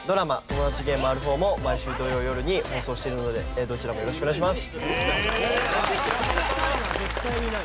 『トモダチゲームＲ４』も毎週土曜よるに放送しているのでどちらもよろしくお願いします！